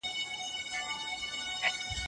هغه سړی په بريالیتوب او عمر راوګرځېدی.